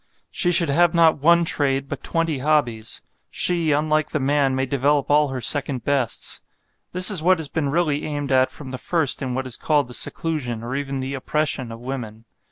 She should have not one trade but twenty hobbies; she, unlike the man, may develop all her second bests. This is what has been really aimed at from the first in what is called the seclusion, or even the oppression, of women.